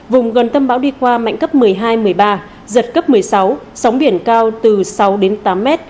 vùng gần tâm bão đi qua mạnh cấp một mươi hai một mươi ba giật cấp một mươi sáu sóng biển cao từ sáu đến tám mét